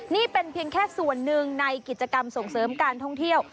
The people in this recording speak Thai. นี่เป็นเพียงแค่ส่วนหนึ่งในกิจกรรมส่งเสริมการท่องเที่ยว